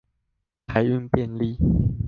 海運便利